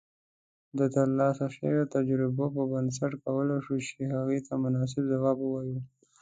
د ترلاسه شويو تجربو پر بنسټ کولای شو چې هغې ته مناسب جواب اوایو